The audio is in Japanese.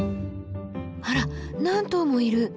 あら何頭もいる！